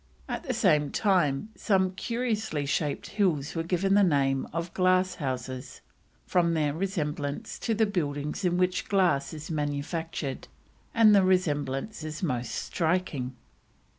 At the same time some curiously shaped hills were given the name of the Glasshouses, from their resemblance to the buildings in which glass is manufactured, and the resemblance is most striking.